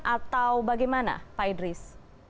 atau bagaimana pak idris